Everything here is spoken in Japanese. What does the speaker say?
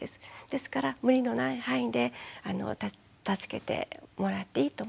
ですから無理のない範囲で助けてもらっていいと思います。